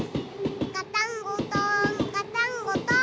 ガタンゴトンガタンゴトン。